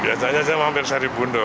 biasanya saya mampir saribundo